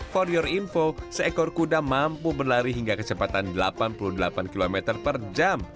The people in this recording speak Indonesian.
for your info seekor kuda mampu berlari hingga kecepatan delapan puluh delapan km per jam